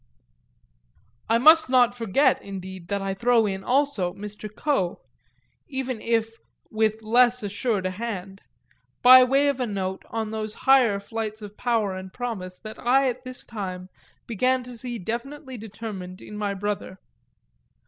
I must not forget indeed that I throw in also Mr. Coe even if with less assured a hand; by way of a note on those higher flights of power and promise that I at this time began to see definitely determined in my brother.